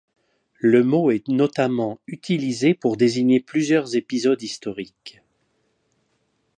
Le mot est notamment utilisé pour désigner plusieurs épisodes historiques.